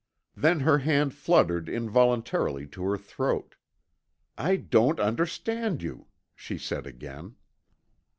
Then her hand fluttered involuntarily to her throat. "I don't understand you," she said again.